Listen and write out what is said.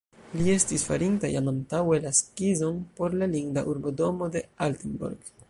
Li estis farinta jam antaŭe la skizon por la linda urbodomo de Altenburg.